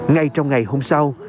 ngay trong ngày hôm sau